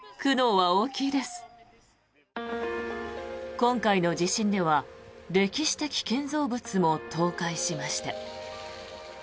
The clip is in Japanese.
今回の地震では歴史的建造物も倒壊しました。